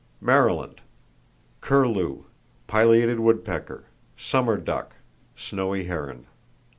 Maryland: Curlew, pileated woodpecker, summer duck, snowy heron.